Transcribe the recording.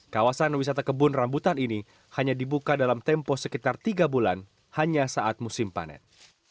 kawasan wisata kebun rambutan ini hanya dibuka dalam tempo sekitar tiga bulan hanya saat musim panen